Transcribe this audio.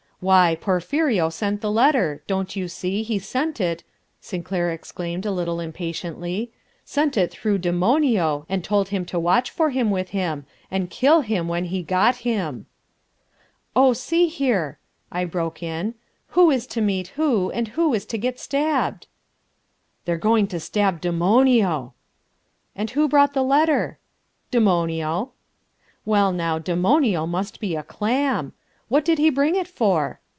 "Why, Porphirio sent the letter, don't you see, he sent it," Sinclair exclaimed a little impatiently "sent it through Demonio and told him to watch for him with him, and kill him when he got him." "Oh, see here!" I broke in, "who is to meet who, and who is to get stabbed?" "They're going to stab Demonio." "And who brought the letter?" "Demonio." "Well, now, Demonio must be a clam! What did he bring it for?"